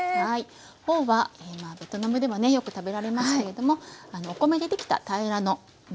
フォーはベトナムではねよく食べられますけれどもお米でできた平らの麺ですね。